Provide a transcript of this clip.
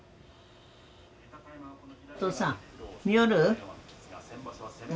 お父さん見よる？